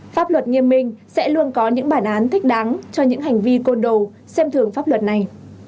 pháp luật nghiêm minh sẽ luôn có những bản án thích đáng cho những hành vi côn đồ xem thường pháp luật này